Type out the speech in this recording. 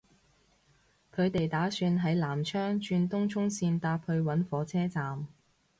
佢哋打算喺南昌轉東涌綫搭去搵火車站